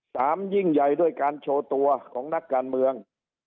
ยิ่งใหญ่ด้วยการโชว์ตัวของนักการเมือง